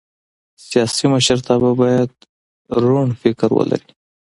سیاسي مشرتابه باید روڼ فکر ولري